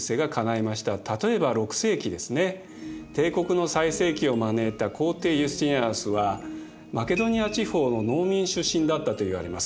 例えば６世紀ですね帝国の最盛期を招いた皇帝ユスティニアヌスはマケドニア地方の農民出身だったといわれます。